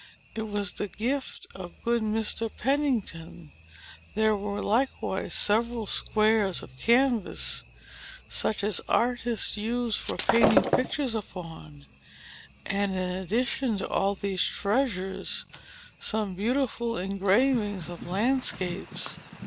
It was the gift of good Mr. Pennington. There were likewise several squares of canvas, such as artists use for painting pictures upon, and, in addition to all these treasures, some beautiful engravings of landscapes.